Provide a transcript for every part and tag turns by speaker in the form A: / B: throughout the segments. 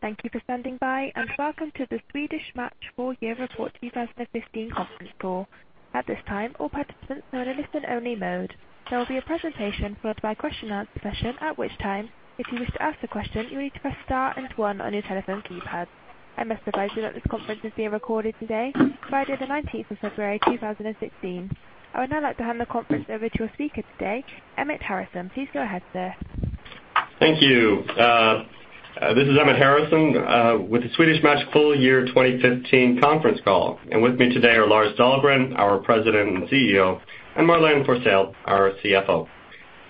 A: Thank you for standing by, and welcome to the Swedish Match Full Year Report 2015 conference call. At this time, all participants are in a listen-only mode. There will be a presentation followed by a question-and-answer session, at which time, if you wish to ask a question, you'll need to press star and one on your telephone keypad. I must advise you that this conference is being recorded today, Friday the 19th of February 2016. I would now like to hand the conference over to your speaker today, Emmett Harrison. Please go ahead, sir.
B: Thank you. This is Emmett Harrison with the Swedish Match Full Year 2015 conference call. With me today are Lars Dahlgren, our President and CEO, and Marlene Forssell, our CFO.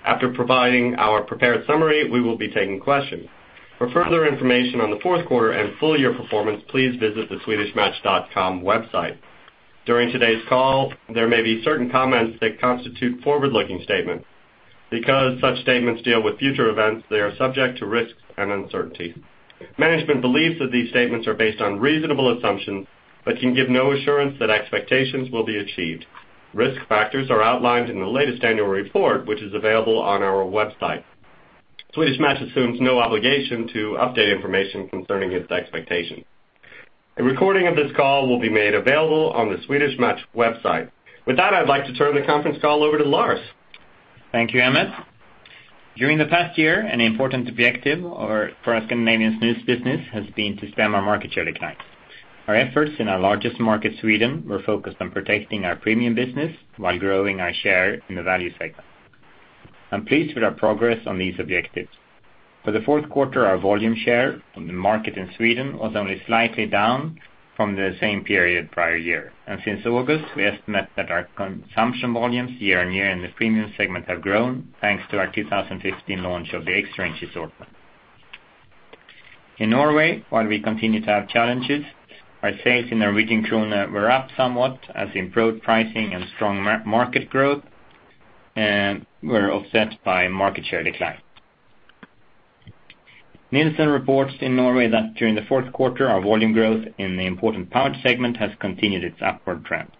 B: After providing our prepared summary, we will be taking questions. For further information on the fourth quarter and full year performance, please visit the swedishmatch.com website. During today's call, there may be certain comments that constitute forward-looking statements. Because such statements deal with future events, they are subject to risks and uncertainty. Management believes that these statements are based on reasonable assumptions but can give no assurance that expectations will be achieved. Risk factors are outlined in the latest annual report, which is available on our website. Swedish Match assumes no obligation to update information concerning its expectations. A recording of this call will be made available on the Swedish Match website. With that, I'd like to turn the conference call over to Lars.
C: Thank you, Emmett. During the past year, an important objective for our Scandinavian Snus business has been to stem our market share decline. Our efforts in our largest market, Sweden, were focused on protecting our premium business while growing our share in the value segment. I'm pleased with our progress on these objectives. For the fourth quarter, our volume share on the market in Sweden was only slightly down from the same period prior year. Since August, we estimate that our consumption volumes year-on-year in the premium segment have grown thanks to our 2015 launch of the XRANGE assortment. In Norway, while we continue to have challenges, our sales in NOK were up somewhat as improved pricing and strong market growth, and were offset by market share decline. Nielsen reports in Norway that during the fourth quarter, our volume growth in the important pouch segment has continued its upward trend.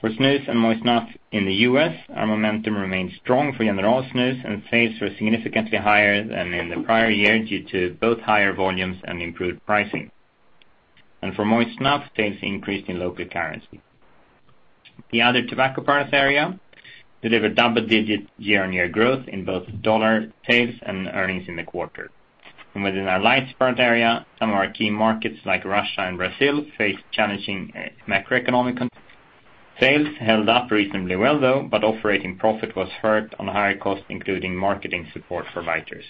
C: For Snus and moist snuff in the U.S., our momentum remains strong for General Snus and sales were significantly higher than in the prior year due to both higher volumes and improved pricing. For moist snuff, sales increased in local currency. The other tobacco products area delivered double-digit year-on-year growth in both $ sales and earnings in the quarter. Within our lights product area, some of our key markets like Russia and Brazil faced challenging macroeconomic conditions. Sales held up reasonably well, though, but operating profit was hurt on a higher cost, including marketing support for Cricket.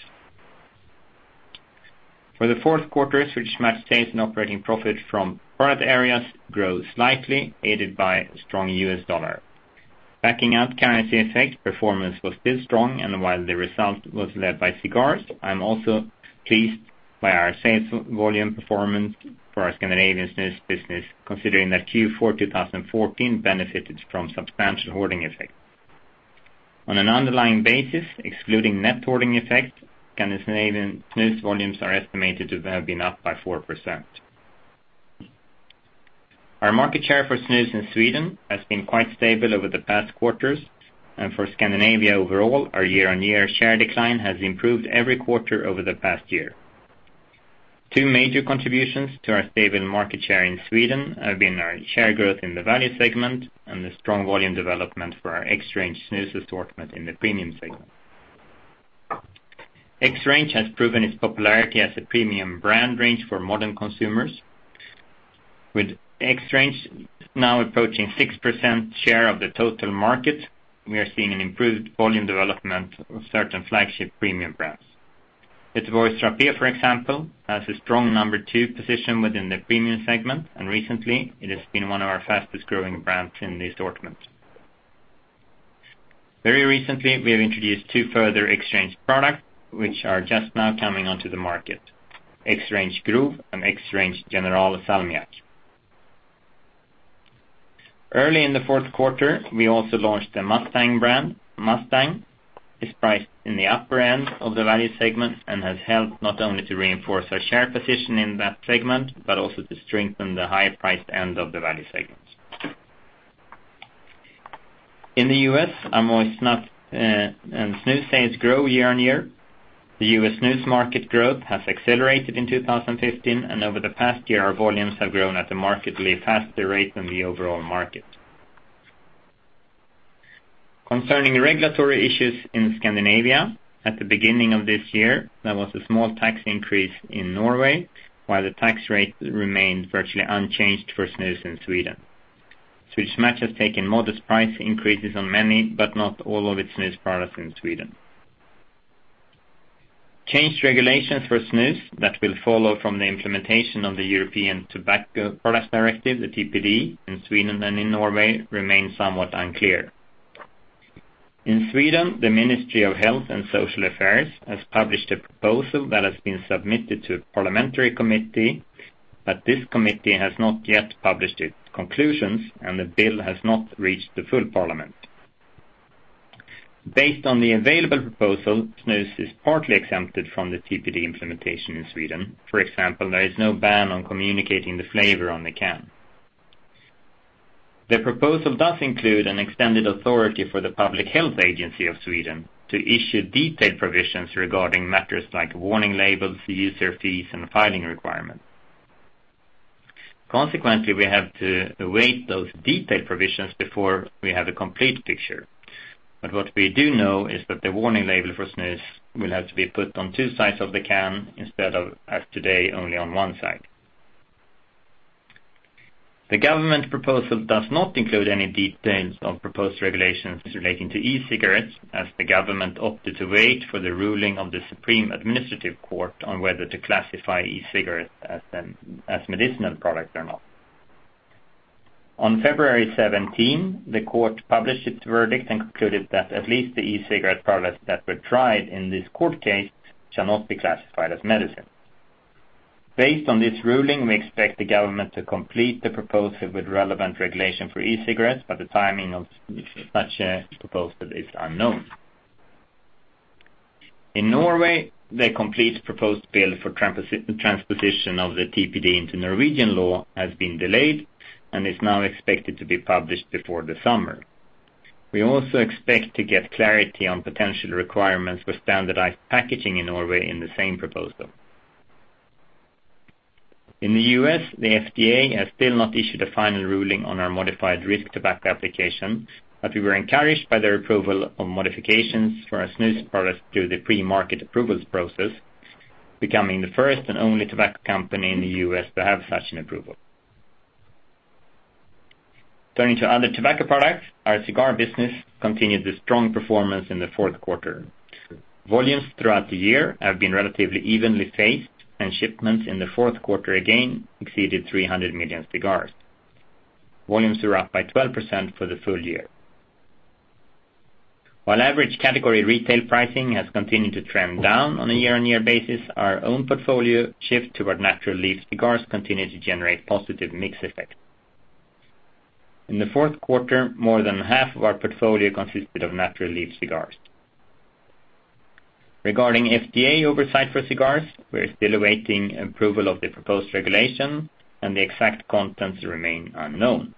C: For the fourth quarter, Swedish Match sales and operating profit from product areas grew slightly, aided by a strong U.S. dollar. Backing out currency effect, performance was still strong, and while the result was led by cigars, I am also pleased by our sales volume performance for our Scandinavian Snus business, considering that Q4 2014 benefited from substantial hoarding effect. On an underlying basis, excluding net hoarding effect, Scandinavian Snus volumes are estimated to have been up by 4%. Our market share for Snus in Sweden has been quite stable over the past quarters, and for Scandinavia overall, our year-on-year share decline has improved every quarter over the past year. Two major contributions to our stable market share in Sweden have been our share growth in the value segment and the strong volume development for our XRANGE Snus assortment in the premium segment. XRANGE has proven its popularity as a premium brand range for modern consumers. With XRANGE now approaching 6% share of the total market, we are seeing an improved volume development of certain flagship premium brands. Göteborgs Rapé, for example, has a strong number 2 position within the premium segment, and recently it has been one of our fastest-growing brands in the assortment. Very recently, we have introduced 2 further XRANGE products, which are just now coming onto the market, XRANGE Grov and XRANGE General Salmiak. Early in the fourth quarter, we also launched the Mustang brand. Mustang is priced in the upper end of the value segment and has helped not only to reinforce our share position in that segment, but also to strengthen the higher priced end of the value segment. In the U.S., our moist snuff and Snus sales grow year-on-year. The U.S. Snus market growth has accelerated in 2015, over the past year, our volumes have grown at a markedly faster rate than the overall market. Concerning regulatory issues in Scandinavia, at the beginning of this year, there was a small tax increase in Norway, while the tax rate remained virtually unchanged for Snus in Sweden. Swedish Match has taken modest price increases on many, but not all of its Snus products in Sweden. Changed regulations for Snus that will follow from the implementation of the European Tobacco Products Directive, the TPD, in Sweden and in Norway remains somewhat unclear. In Sweden, the Ministry of Health and Social Affairs has published a proposal that has been submitted to parliamentary committee, this committee has not yet published its conclusions, the bill has not reached the full parliament. Based on the available proposal, Snus is partly exempted from the TPD implementation in Sweden. For example, there is no ban on communicating the flavor on the can. The proposal does include an extended authority for the Public Health Agency of Sweden to issue detailed provisions regarding matters like warning labels, FDA user fees, and filing requirements. Consequently, we have to await those detailed provisions before we have a complete picture. What we do know is that the warning label for Snus will have to be put on two sides of the can instead of, as today, only on one side. The government proposal does not include any details on proposed regulations relating to e-cigarettes, as the government opted to wait for the ruling of the Supreme Administrative Court on whether to classify e-cigarettes as a medicinal product or not. On February 17, the court published its verdict and concluded that at least the e-cigarette products that were tried in this court case shall not be classified as medicine. Based on this ruling, we expect the government to complete the proposal with relevant regulation for e-cigarettes, the timing of such a proposal is unknown. In Norway, the complete proposed bill for transposition of the TPD into Norwegian law has been delayed and is now expected to be published before the summer. We also expect to get clarity on potential requirements for standardized packaging in Norway in the same proposal. In the U.S., the FDA has still not issued a final ruling on our Modified Risk Tobacco Product application, but we were encouraged by their approval of modifications for our Snus products through the pre-market approvals process, becoming the first and only tobacco company in the U.S. to have such an approval. Turning to other tobacco products, our cigar business continued the strong performance in the fourth quarter. Volumes throughout the year have been relatively evenly paced, and shipments in the fourth quarter again exceeded 300 million cigars. Volumes were up by 12% for the full year. While average category retail pricing has continued to trend down on a year-on-year basis, our own portfolio shift toward natural leaf cigars continue to generate positive mix effect. In the fourth quarter, more than half of our portfolio consisted of natural leaf cigars. Regarding FDA oversight for cigars, we are still awaiting approval of the proposed regulation, the exact contents remain unknown.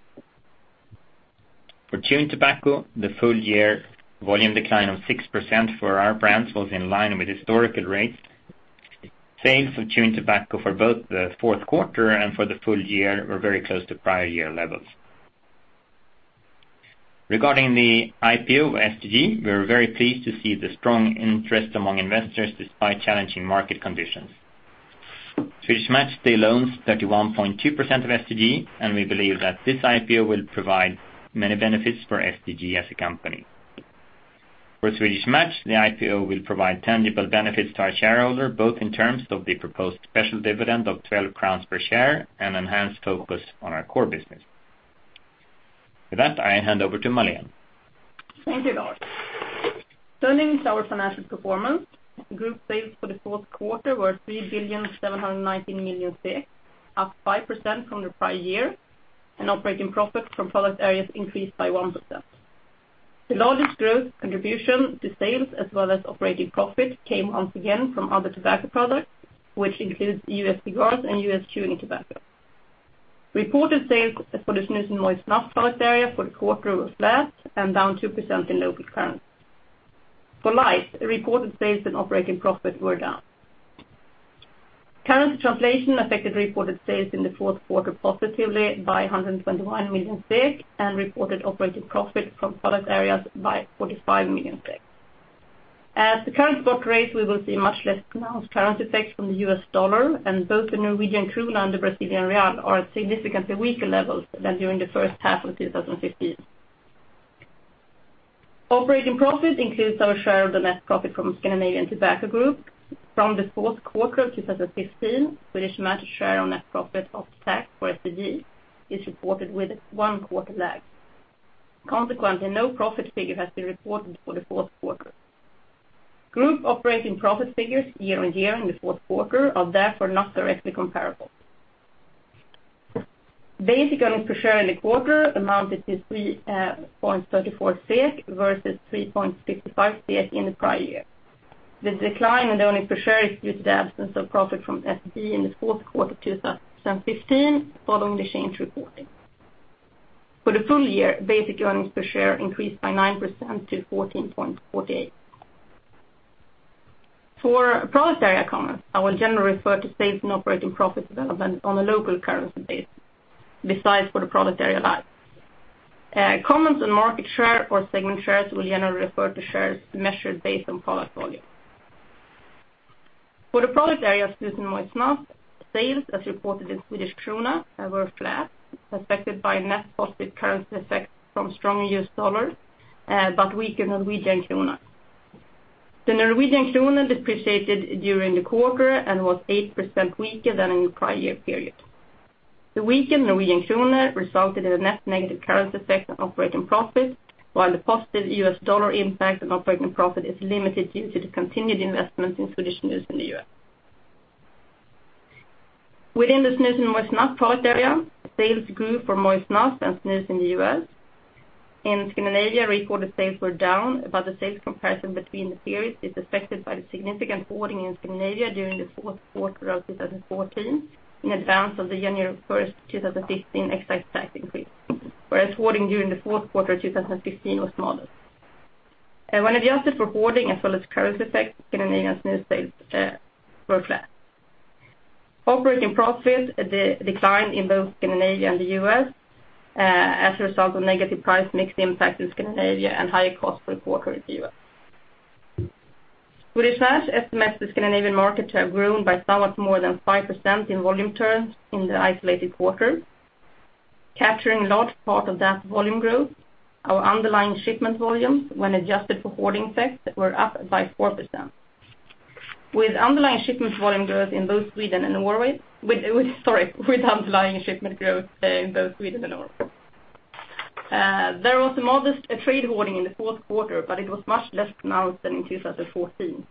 C: For chewing tobacco, the full-year volume decline of 6% for our brands was in line with historical rates. Sales of chewing tobacco for both the fourth quarter and for the full year were very close to prior year levels. Regarding the IPO of STG, we are very pleased to see the strong interest among investors despite challenging market conditions. Swedish Match still owns 31.2% of STG, and we believe that this IPO will provide many benefits for STG as a company. For Swedish Match, the IPO will provide tangible benefits to our shareholder, both in terms of the proposed special dividend of 12 crowns per share and enhanced focus on our core business. With that, I hand over to Marlene.
D: Thank you, Lars. Turning to our financial performance, group sales for the fourth quarter were 3,719 million, up 5% from the prior year, and operating profit from product areas increased by 1%. The largest growth contribution to sales as well as operating profit came once again from other tobacco products, which includes U.S. cigars and U.S. chewing tobacco. Reported sales for the snus and moist snuff product area for the quarter were flat and down 2% in local currency. For lights, the reported sales and operating profit were down. Currency translation affected reported sales in the fourth quarter positively by 121 million and reported operating profit from product areas by 45 million. At the current spot rates, we will see much less pronounced currency effects from the U.S. dollar and both the Norwegian krone and the Brazilian real are at significantly weaker levels than during the first half of 2015. Operating profit includes our share of the net profit from Scandinavian Tobacco Group. From the fourth quarter of 2015, Swedish Match share on net profit after tax for STG is reported with a one-quarter lag. Consequently, no profit figure has been reported for the fourth quarter. Group operating profit figures year-over-year in the fourth quarter are therefore not directly comparable. Basic earnings per share in the quarter amounted to 3.34 SEK versus 3.65 SEK in the prior year. The decline in the earnings per share is due to the absence of profit from STG in the fourth quarter of 2015, following the change in reporting. For the full year, basic earnings per share increased by 9% to 14.48. For product area comments, I will generally refer to sales and operating profit development on a local currency basis, besides for the product area lights. Comments on market share or segment shares will generally refer to shares measured based on product volume. For the product area snus and moist snuff, sales as reported in Swedish krona were flat, affected by net positive currency effects from strong U.S. dollar, but weaker Norwegian krone. The Norwegian krone depreciated during the quarter and was 8% weaker than in the prior year period. The weaker Norwegian krone resulted in a net negative currency effect on operating profit, while the positive U.S. dollar impact on operating profit is limited due to the continued investment in Swedish snus in the U.S. Within the snus and moist snuff product area, sales grew for moist snuff and snus in the U.S. In Scandinavia, recorded sales were down, but the sales comparison between the periods is affected by the significant hoarding in Scandinavia during the fourth quarter of 2014 in advance of the January 1, 2015, excise tax increase. Whereas hoarding during the fourth quarter of 2015 was modest. When adjusted for hoarding as well as currency effects, Scandinavian snus sales were flat. Operating profit declined in both Scandinavia and the U.S. as a result of negative price mix impact in Scandinavia and higher costs per quarter in the U.S. Swedish Match estimates the Scandinavian market to have grown by somewhat more than 5% in volume terms in the isolated quarter, capturing large part of that volume growth. Our underlying shipment volumes, when adjusted for hoarding effects, were up by 4%. With underlying shipment growth in both Sweden and Norway, there was a modest trade hoarding in the fourth quarter, but it was much less pronounced than in 2014.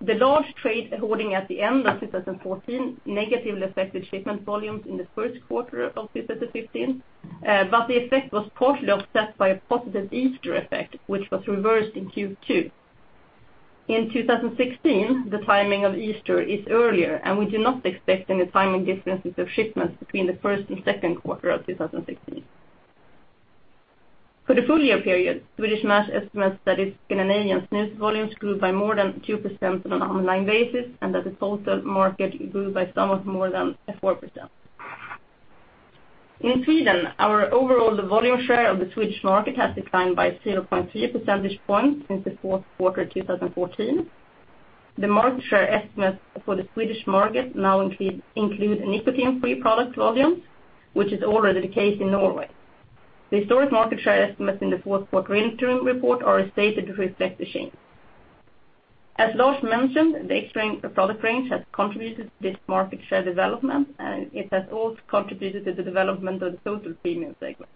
D: The large trade hoarding at the end of 2014 negatively affected shipment volumes in the first quarter of 2015, but the effect was partially offset by a positive Easter effect, which was reversed in Q2. In 2016, the timing of Easter is earlier, and we do not expect any timing differences of shipments between the first and second quarter of 2016. For the full year period, Swedish Match estimates that its Scandinavian snus volumes grew by more than 2% on an online basis, and that the total market grew by somewhat more than 4%. In Sweden, our overall volume share of the Swedish market has declined by 0.3 percentage points since the fourth quarter of 2014. The market share estimate for the Swedish market now includes nicotine-free product volumes, which is already the case in Norway. The historic market share estimates in the fourth quarter interim report are stated to reflect the change. As Lars mentioned, the XRANGE product range has contributed to this market share development, and it has also contributed to the development of the total premium segment.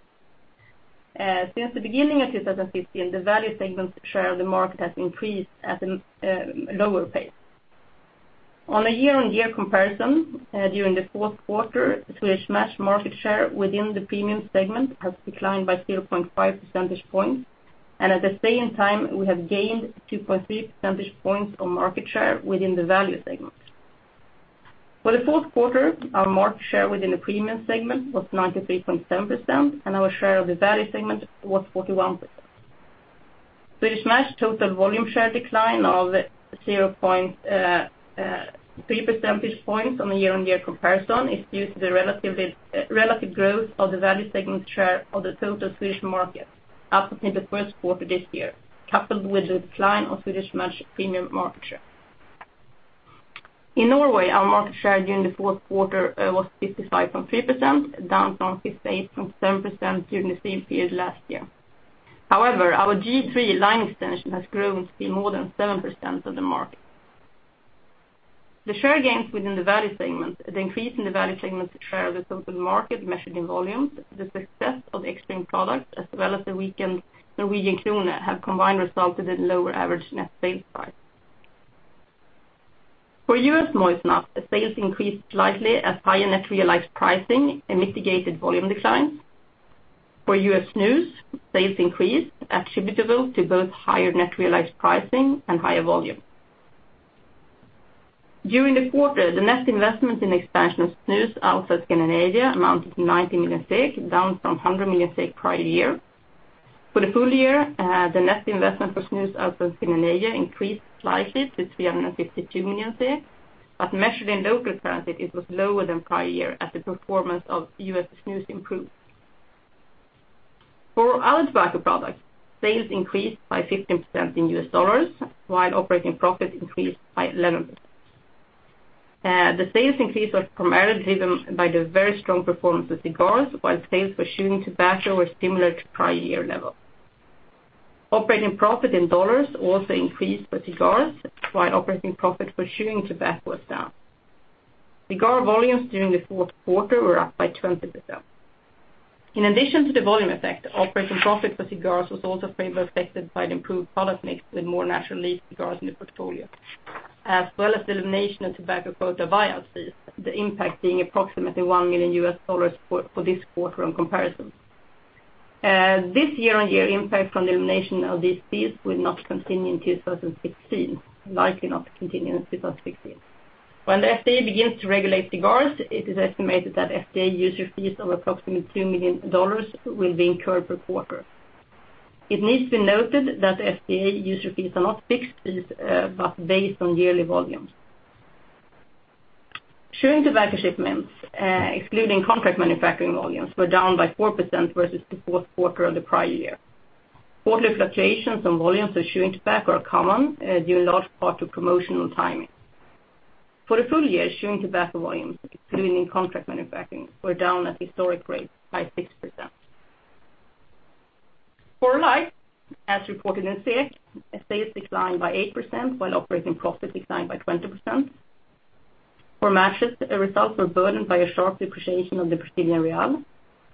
D: Since the beginning of 2015, the value segment share of the market has increased at a lower pace. On a year-on-year comparison, during the fourth quarter, Swedish Match market share within the premium segment has declined by 0.5 percentage points, and at the same time, we have gained 2.3 percentage points of market share within the value segment. For the fourth quarter, our market share within the premium segment was 93.7%, and our share of the value segment was 41%. Swedish Match total volume share decline of 0.3 percentage points on a year-on-year comparison is due to the relative growth of the value segment share of the total Swedish market up until the first quarter this year, coupled with the decline of Swedish Match premium market share. In Norway, our market share during the fourth quarter was 55.3%, down from 58.7% during the same period last year. However, our G.3 line extension has grown to more than 7% of the market. The share gains within the value segment, the increase in the value segment share of the total market measured in volumes, the success of XRANGE products, as well as the weakened Norwegian krone have combined resulted in lower average net sales price. For U.S. moist snuff, sales increased slightly as higher net realized pricing mitigated volume declines. For U.S. snus, sales increased attributable to both higher net realized pricing and higher volume. During the quarter, the net investment in expansion of snus outside Scandinavia amounted to 90 million SEK, down from 100 million SEK prior year. For the full year, the net investment for snus outside Scandinavia increased slightly to 352 million SEK, but measured in local currency, it was lower than prior year as the performance of U.S. snus improved. For our other tobacco products, sales increased by 15% in US dollars, while operating profit increased by 11%. The sales increase was primarily driven by the very strong performance of cigars, while sales for chewing tobacco were similar to prior year level. Operating profit in dollars also increased for cigars, while operating profit for chewing tobacco was down. Cigar volumes during the fourth quarter were up by 20%. In addition to the volume effect, operating profit for cigars was also favorably affected by the improved product mix with more natural leaf cigars in the portfolio, as well as the elimination of tobacco quota variance fees, the impact being approximately $1 million for this quarter on comparison. This year-on-year impact from the elimination of these fees will not continue in 2016, likely not continue in 2016. When the FDA begins to regulate cigars, it is estimated that FDA user fees of approximately $2 million will be incurred per quarter. It needs to be noted that FDA user fees are not fixed fees, but based on yearly volumes. Chewing tobacco shipments, excluding contract manufacturing volumes, were down by 4% versus the fourth quarter of the prior year. Quarterly fluctuations on volumes of chewing tobacco are common due in large part to promotional timing. For the full year, chewing tobacco volumes, including contract manufacturing, were down at historic rates by 6%. For lighters, as reported in SEK, sales declined by 8%, while operating profit declined by 20%. For matches, results were burdened by a sharp depreciation of the Brazilian real,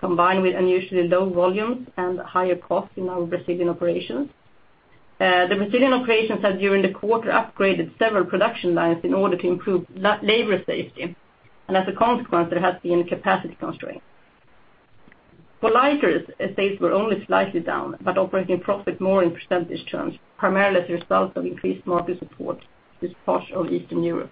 D: combined with unusually low volumes and higher costs in our Brazilian operations. The Brazilian operations had, during the quarter, upgraded several production lines in order to improve labor safety, and as a consequence, there has been a capacity constraint. For lighters, sales were only slightly down, but operating profit more in percentage terms, primarily as a result of increased market support this part of Eastern Europe.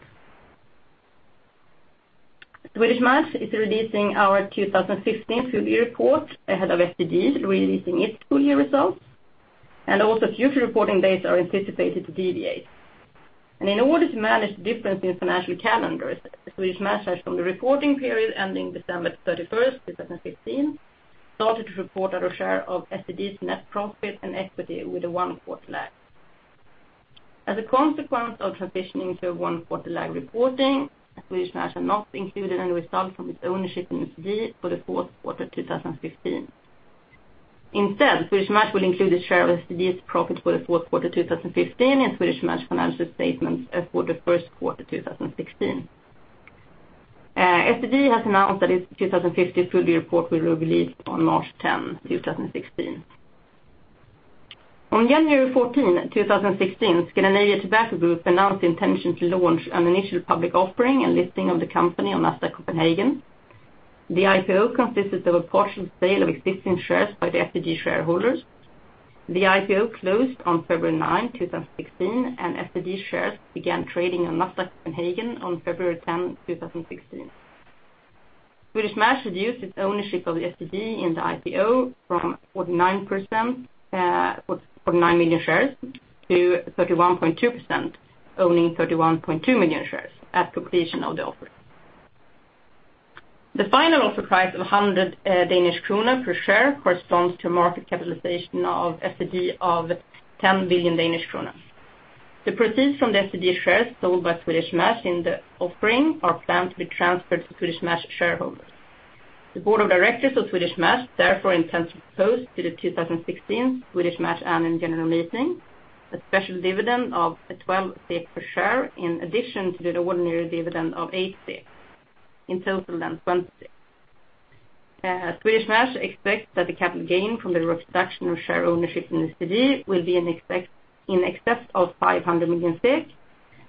D: Swedish Match is releasing our 2015 full year report ahead of STG releasing its full year results, and also future reporting dates are anticipated to deviate. In order to manage the difference in financial calendars, Swedish Match has, from the reporting period ending December 31, 2015, started to report our share of STG's net profit and equity with a one-quarter lag. As a consequence of transitioning to a one-quarter lag reporting, Swedish Match has not included any result from its ownership in STG for the fourth quarter 2015. Instead, Swedish Match will include a share of STG's profit for the fourth quarter 2015 in Swedish Match financial statements for the first quarter 2016. STG has announced that its 2015 full year report will be released on March 10, 2016. On January 14, 2016, Scandinavian Tobacco Group announced the intention to launch an initial public offering and listing of the company on Nasdaq Copenhagen. The IPO consisted of a partial sale of existing shares by the STG shareholders. The IPO closed on February 9, 2016, and STG shares began trading on Nasdaq Copenhagen on February 10, 2016. Swedish Match reduced its ownership of STG in the IPO from 49 million shares to 31.2%, owning 31.2 million shares at completion of the offering. The final offer price of 100 Danish kroner per share corresponds to a market capitalization of STG of 10 billion Danish kroner. The proceeds from the STG shares sold by Swedish Match in the offering are planned to be transferred to Swedish Match shareholders. The board of directors of Swedish Match therefore intends to propose to the 2016 Swedish Match Annual General Meeting a special dividend of 12 per share in addition to the ordinary dividend of 8. In total then, 20. Swedish Match expects that the capital gain from the reduction of share ownership in STG will be in excess of 500 million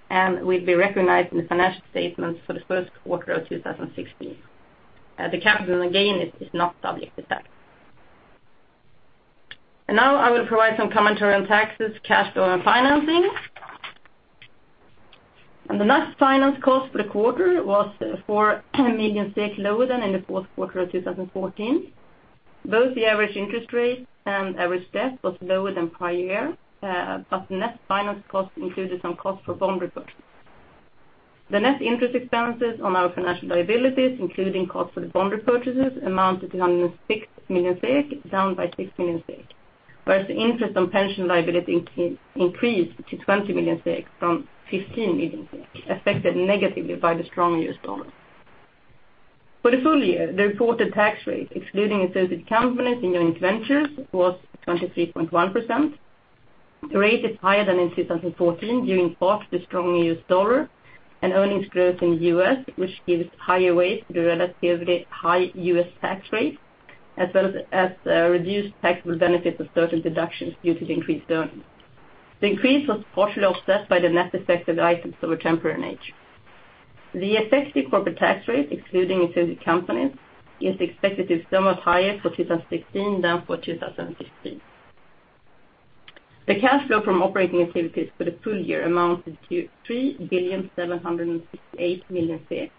D: and will be recognized in the financial statements for the first quarter of 2016. The capital gain is not subject to tax. Now I will provide some commentary on taxes, cash flow, and financing. The net finance cost for the quarter was 4 million lower than in the fourth quarter of 2014. Both the average interest rate and average debt was lower than prior year, but net finance cost included some cost for bond repurchase. The net interest expenses on our financial liabilities, including cost for the bond repurchases, amount to 206 million SEK, down by 6 million SEK. Whereas the interest on pension liability increased to 20 million SEK from 15 million SEK, affected negatively by the strong US dollar. For the full year, the reported tax rate, excluding associated companies and joint ventures, was 23.1%. The rate is higher than in 2014, due in part to the strong US dollar and earnings growth in the U.S., which gives higher weight to the relatively high U.S. tax rate, as well as reduced taxable benefit of certain deductions due to the increased earnings. The increase was partially offset by the net effective items that were temporary in nature. The effective corporate tax rate, excluding associated companies, is expected to be somewhat higher for 2016 than for 2015. The cash flow from operating activities for the full year amounted to 3,768,000,000,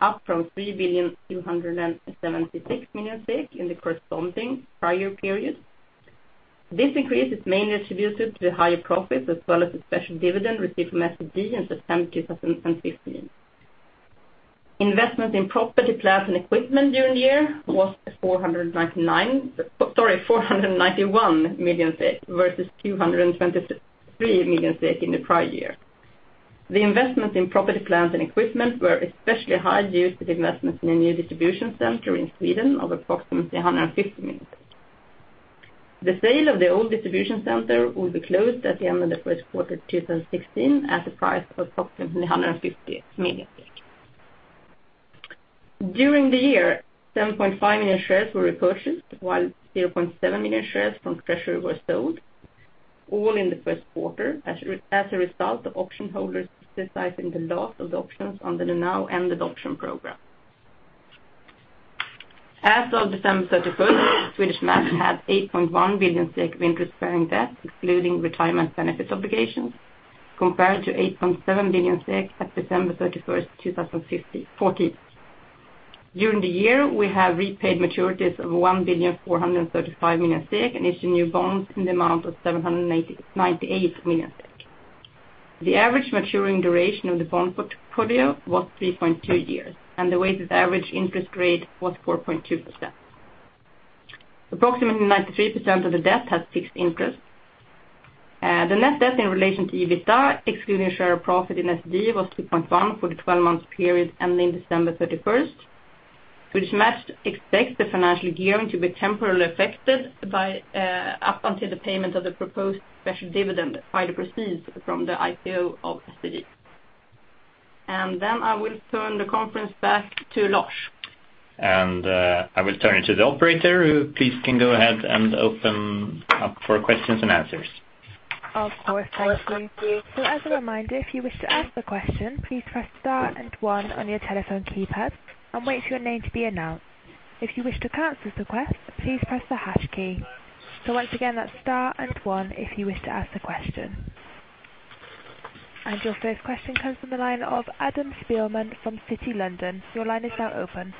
D: up from 3,276,000,000 SEK in the corresponding prior period. This increase is mainly attributed to the higher profits as well as the special dividend received from SDD in September 2015. Investment in property, plant, and equipment during the year was 491 million versus 223 million in the prior year. The investment in property, plant, and equipment were especially high due to the investment in a new distribution center in Sweden of approximately 150 million. The sale of the old distribution center will be closed at the end of the first quarter 2016 at a price of approximately 150 million. During the year, 7.5 million shares were repurchased, while 0.7 million shares from treasury were sold, all in the first quarter, as a result of option holders exercising the last of the options under the now-ended option program. As of December 31st, Swedish Match had 8.1 billion of interest-bearing debt, excluding retirement benefit obligations, compared to 8.7 billion at December 31st, 2014. During the year, we have repaid maturities of 1,435,000,000 and issued new bonds in the amount of 798 million SEK. The average maturing duration of the bond portfolio was 3.2 years, and the weighted average interest rate was 4.2%. Approximately 93% of the debt had fixed interest. The net debt in relation to EBITDA, excluding share profit in SDD, was 3.1 for the 12-month period ending December 31st. Swedish Match expects the financial gearing to be temporarily affected up until the payment of the proposed special dividend by the proceeds from the IPO of SDD. Then I will turn the conference back to Lars.
C: I will turn to the operator who please can go ahead and open up for questions and answers.
A: Of course. Thank you. As a reminder, if you wish to ask a question, please press star and one on your telephone keypad and wait for your name to be announced. If you wish to cancel the request, please press the hash key. Once again, that's star and one if you wish to ask a question. Your first question comes from the line of Adam Spielman from Citi, London. Your line is now open.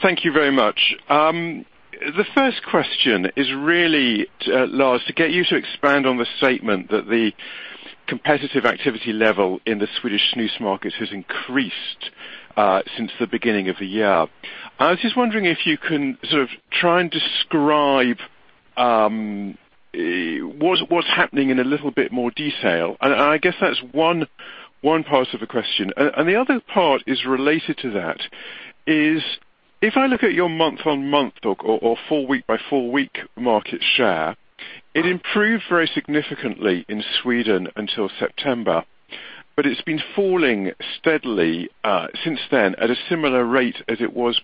E: Thank you very much. The first question is really, Lars, to get you to expand on the statement that the competitive activity level in the Swedish snus market has increased since the beginning of the year. I was just wondering if you can sort of try and describe what's happening in a little bit more detail, and I guess that's one part of the question. The other part is related to that, is if I look at your month-on-month or four week by four week market share, it improved very significantly in Sweden until September, but it's been falling steadily since then at a similar rate as it was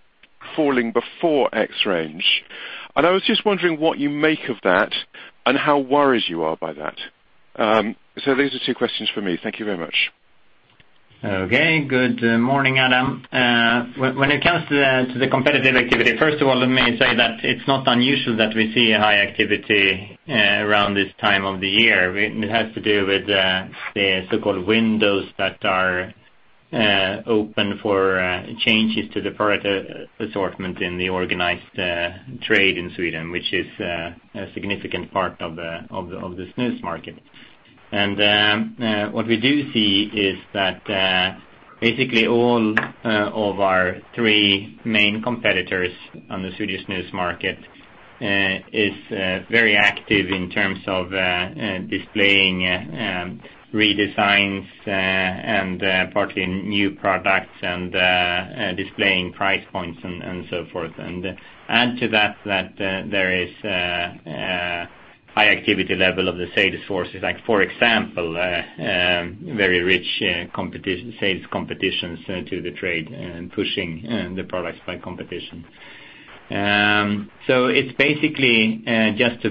E: falling before XRANGE. I was just wondering what you make of that and how worried you are by that. These are two questions from me. Thank you very much.
C: Okay. Good morning, Adam. When it comes to the competitive activity, first of all, let me say that it's not unusual that we see a high activity around this time of the year. It has to do with the so-called windows that are open for changes to the product assortment in the organized trade in Sweden, which is a significant part of the snus market. What we do see is that basically all of our three main competitors on the Swedish snus market is very active in terms of displaying redesigns and partly new products and displaying price points and so forth. Add to that, there is high activity level of the sales forces, like for example, very rich sales competitions to the trade, pushing the products by competition. It's basically just to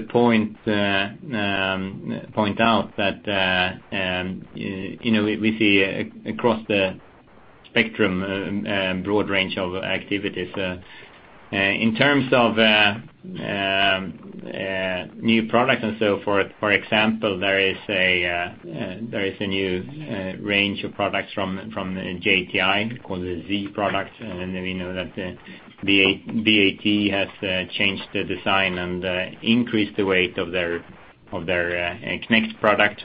C: point out that we see across the spectrum a broad range of activities. In terms of new products and so forth, for example, there is a new range of products from JTI, called the Z product. We know that BAT has changed the design and increased the weight of their next product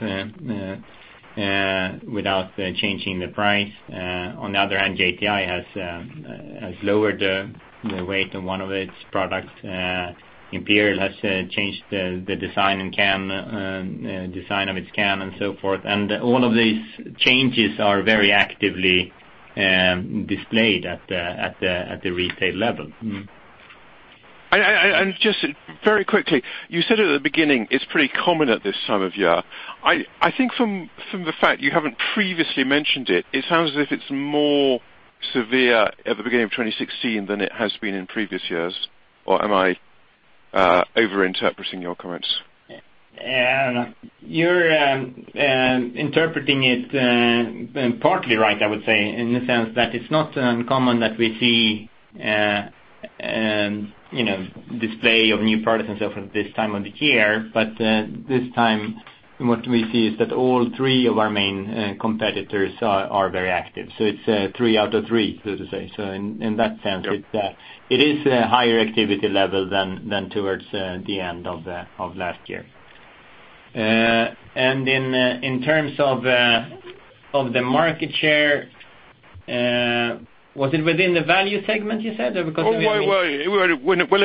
C: without changing the price. On the other hand, JTI has lowered the weight on one of its products. Imperial has changed the design of its can and so forth. All of these changes are very actively displayed at the retail level.
E: Just very quickly, you said at the beginning, it's pretty common at this time of year. I think from the fact you haven't previously mentioned it sounds as if it's more severe at the beginning of 2016 than it has been in previous years. Or am I over-interpreting your comments?
C: You're interpreting it partly right, I would say, in the sense that it's not uncommon that we see display of new products and so forth this time of the year. This time, what we see is that all three of our main competitors are very active. It's three out of three, so to say. In that sense-
E: Yep
C: It is a higher activity level than towards the end of last year. In terms of the market share, was it within the value segment you said? Or because-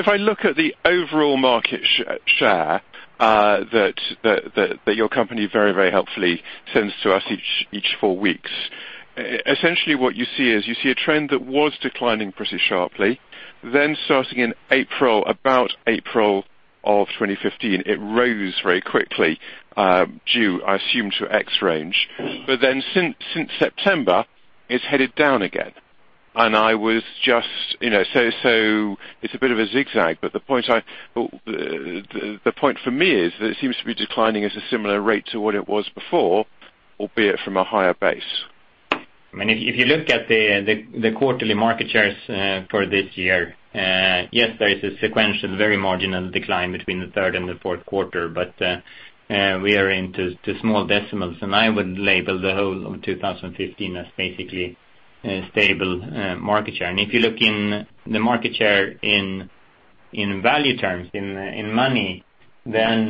E: If I look at the overall market share that your company very helpfully sends to us each 4 weeks, essentially what you see is you see a trend that was declining pretty sharply. Starting in April, about April of 2015, it rose very quickly, due, I assume, to XRANGE. Since September, it's headed down again. It's a bit of a zigzag, but the point for me is that it seems to be declining at a similar rate to what it was before, albeit from a higher base.
C: If you look at the quarterly market shares for this year, yes, there is a sequential, very marginal decline between the third and the fourth quarter, we are into small decimals. I would label the whole of 2015 as basically a stable market share. If you look in the market share in value terms, in money, the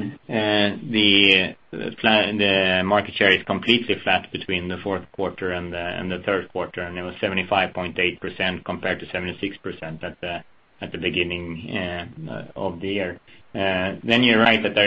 C: market share is completely flat between the fourth quarter and the third quarter, and it was 75.8% compared to 76% at the beginning of the year. You're right that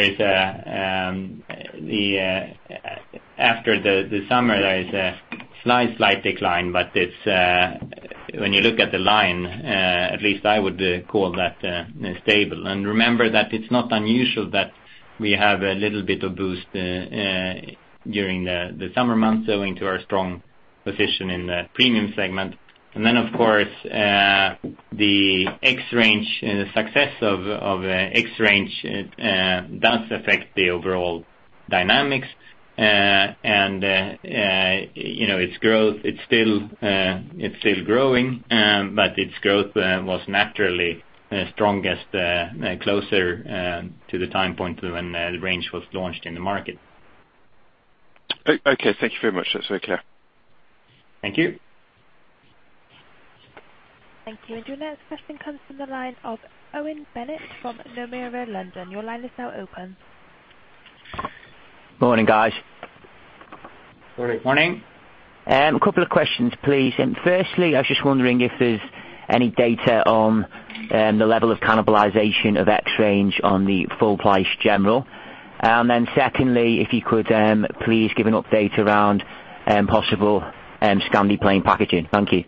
C: after the summer, there is a slight decline, it's When you look at the line, at least I would call that stable. Remember that it's not unusual that we have a little bit of boost during the summer months owing to our strong position in the premium segment. Of course, the success of XRANGE does affect the overall dynamics and its growth. It's still growing, its growth was naturally strongest closer to the time point when the range was launched in the market.
E: Okay. Thank you very much. That's very clear.
C: Thank you.
A: Thank you. Your next question comes from the line of Owen Bennett from Nomura London. Your line is now open.
F: Morning, guys.
C: Good morning.
F: A couple of questions, please. Firstly, I was just wondering if there's any data on the level of cannibalization of XRANGE on the full price General. Secondly, if you could please give an update around possible Scandi plain packaging. Thank you.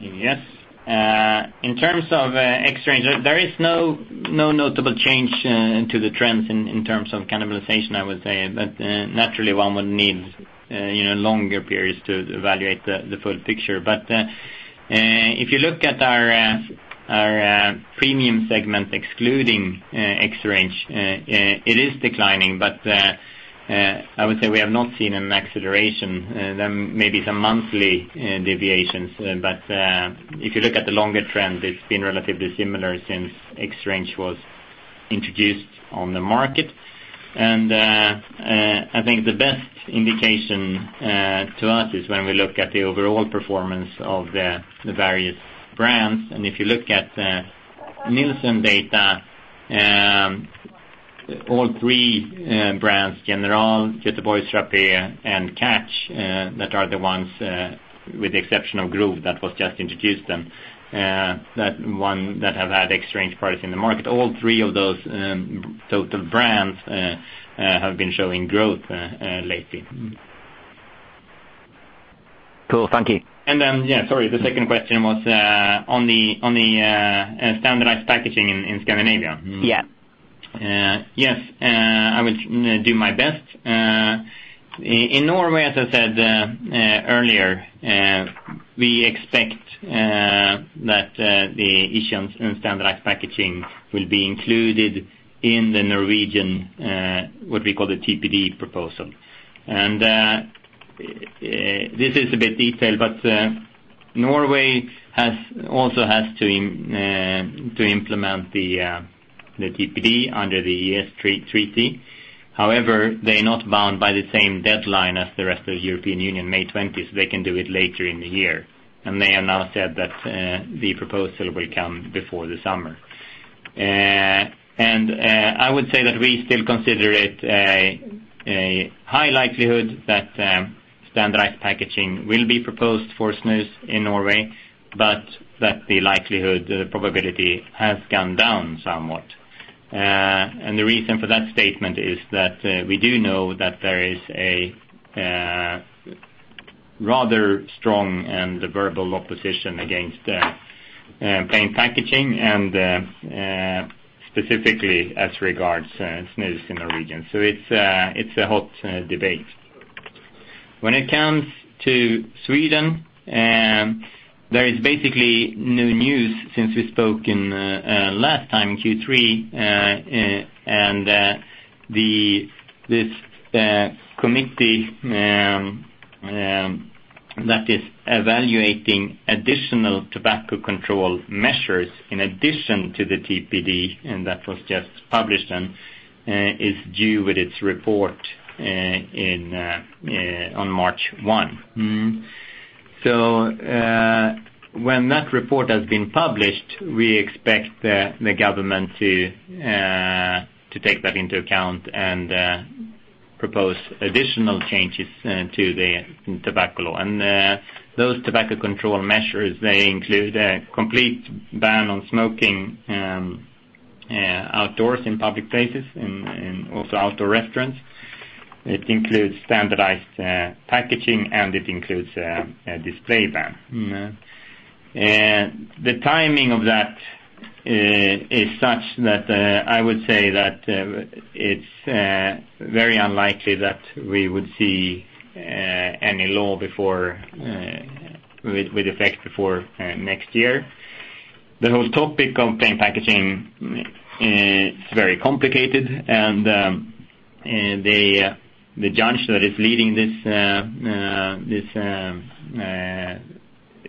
C: Yes. In terms of XRANGE, there is no notable change to the trends in terms of cannibalization, I would say. Naturally one would need longer periods to evaluate the full picture. If you look at our premium segment excluding XRANGE, it is declining. I would say we have not seen an acceleration, there may be some monthly deviations. If you look at the longer trend, it's been relatively similar since XRANGE was introduced on the market. I think the best indication to us is when we look at the overall performance of the various brands. If you look at Nielsen data, all three brands, General, Göteborgs Rapé, and Catch, that are the ones with the exception of Grov that was just introduced then, that have had XRANGE products in the market. All three of those total brands have been showing growth lately.
F: Cool. Thank you.
C: Yeah, sorry. The second question was on the standardized packaging in Scandinavia.
F: Yeah.
C: Yes. I would do my best. In Norway, as I said earlier, we expect that the issuance in standardized packaging will be included in the Norwegian, what we call the TPD proposal. This is a bit detailed, but Norway also has to implement the TPD under the EEA Treaty. However, they're not bound by the same deadline as the rest of European Union, May 20th. They can do it later in the year. They have now said that the proposal will come before the summer. I would say that we still consider it a high likelihood that standardized packaging will be proposed for snus in Norway. That the likelihood, the probability has gone down somewhat. The reason for that statement is that we do know that there is a rather strong and verbal opposition against plain packaging, and specifically as regards snus in the region. It's a hot debate. When it comes to Sweden, there is basically no news since we spoke last time in Q3. This committee that is evaluating additional tobacco control measures in addition to the TPD and that was just published and is due with its report on March 1. When that report has been published, we expect the government to take that into account and propose additional changes to the tobacco law. Those tobacco control measures, they include a complete ban on smoking outdoors in public places and also outdoor restaurants. It includes standardized packaging, and it includes a display ban. The timing of that is such that I would say that it's very unlikely that we would see any law with effect before next year. The whole topic of plain packaging is very complicated. The judge that is leading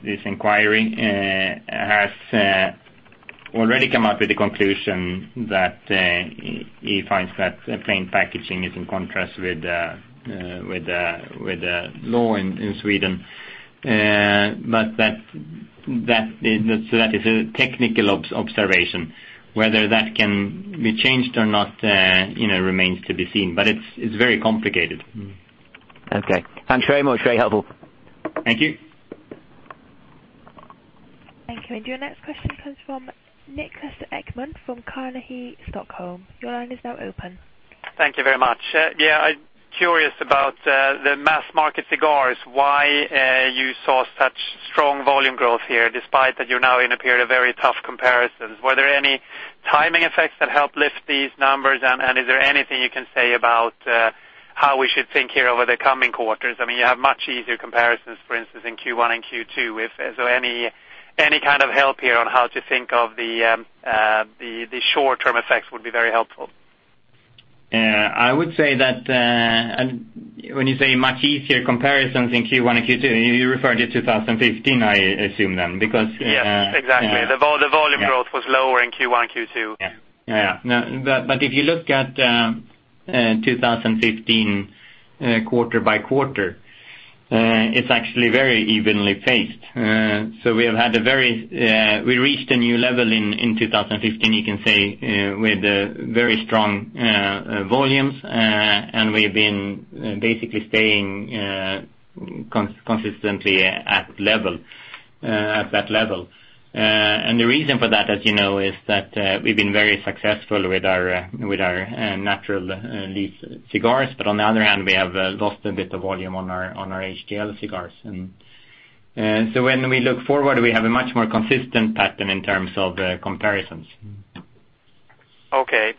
C: this inquiry has already come up with the conclusion that he finds that plain packaging is in contrast with the law in Sweden. That is a technical observation. Whether that can be changed or not remains to be seen. It's very complicated.
F: Okay. Thanks very much. Very helpful.
C: Thank you.
A: Thank you. Your next question comes from Niklas Ekman from Carnegie Investment Bank. Your line is now open.
G: Thank you very much. Yeah, I'm curious about the mass market cigars, why you saw such strong volume growth here, despite that you're now in a period of very tough comparisons. Were there any timing effects that helped lift these numbers? Is there anything you can say about how we should think here over the coming quarters? You have much easier comparisons, for instance, in Q1 and Q2. If there's any kind of help here on how to think of the short-term effects would be very helpful.
C: Yeah. I would say that, when you say much easier comparisons in Q1 and Q2, you're referring to 2015, I assume then, because.
G: Yes, exactly. The volume growth was lower in Q1, Q2.
C: Yes. If you look at 2015, quarter by quarter, it is actually very evenly paced. We reached a new level in 2015, you can say, with very strong volumes. We have been basically staying consistently at that level. The reason for that, as you know, is that we have been very successful with our natural leaf cigars. On the other hand, we have lost a bit of volume on our HTL cigars. When we look forward, we have a much more consistent pattern in terms of comparisons.
G: Okay,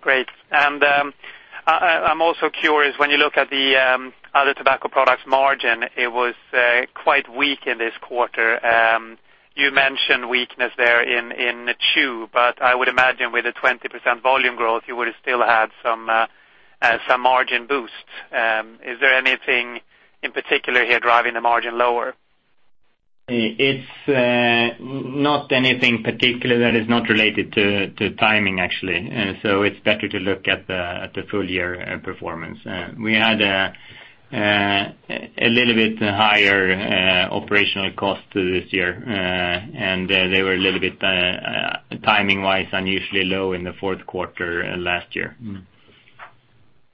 G: great. I am also curious, when you look at the other tobacco products margin, it was quite weak in this quarter. You mentioned weakness there in chew, but I would imagine with a 20% volume growth, you would have still had some margin boost. Is there anything in particular here driving the margin lower?
C: It is not anything particular that is not related to timing, actually. It is better to look at the full-year performance. We had a little bit higher operational cost this year. They were a little bit, timing-wise, unusually low in the fourth quarter last year.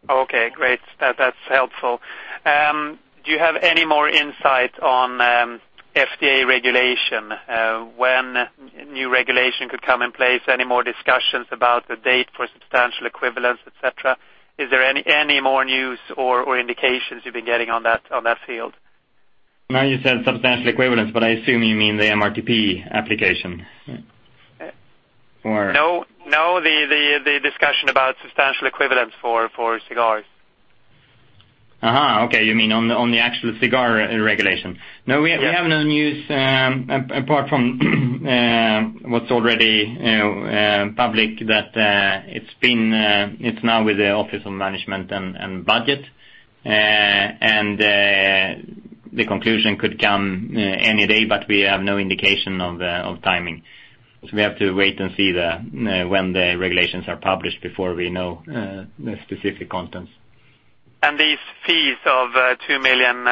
G: Okay, great. That's helpful. Do you have any more insight on FDA regulation, when new regulation could come in place? Any more discussions about the date for Substantial Equivalence, et cetera? Is there any more news or indications you've been getting on that field?
C: Now you said Substantial Equivalence, I assume you mean the MRTP application?
G: No, the discussion about Substantial Equivalence for cigars.
C: Aha, okay. You mean on the actual cigar regulation. No, we have no news apart from what's already public that it's now with the Office of Management and Budget. The conclusion could come any day, we have no indication of timing. We have to wait and see when the regulations are published before we know the specific contents.
G: These fees of $2 million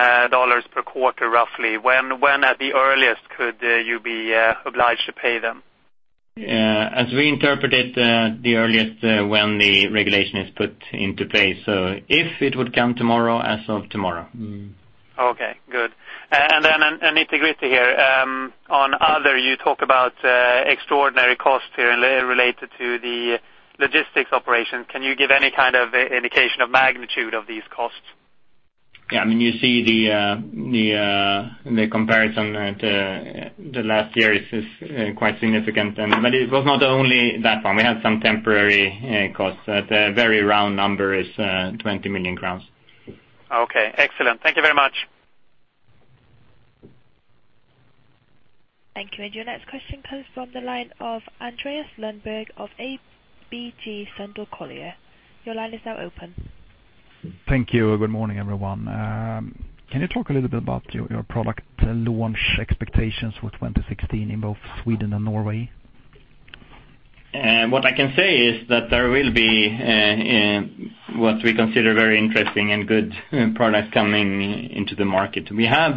G: per quarter, roughly, when at the earliest could you be obliged to pay them?
C: As we interpret it, the earliest when the regulation is put into place. If it would come tomorrow, as of tomorrow.
G: Okay, good. Then an nitty-gritty here. On other, you talk about extraordinary costs here related to the logistics operations. Can you give any kind of indication of magnitude of these costs?
C: Yeah. You see the comparison to the last year is quite significant. It was not only that one. We had some temporary costs. The very round number is 20 million crowns.
G: Okay. Excellent. Thank you very much.
A: Thank you. Your next question comes from the line of Andreas Lundberg of ABG Sundal Collier. Your line is now open.
H: Thank you. Good morning, everyone. Can you talk a little bit about your product launch expectations for 2016 in both Sweden and Norway?
C: What I can say is that there will be what we consider very interesting and good products coming into the market. We have,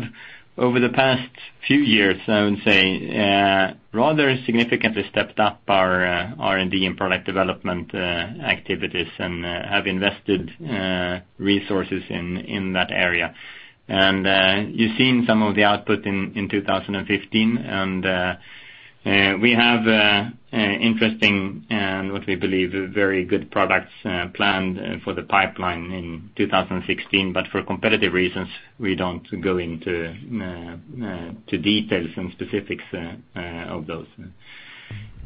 C: over the past few years, I would say, rather significantly stepped up our R&D and product development activities and have invested resources in that area. You've seen some of the output in 2015, and we have interesting and what we believe are very good products planned for the pipeline in 2016. For competitive reasons, we don't go into details and specifics of those.